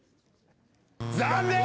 残念！